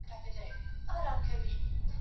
ما پرون د ښوونځي کتابونه مطالعه وکړ!؟